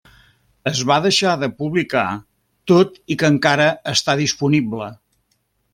Es va deixar de publicar, tot i que encara està disponible.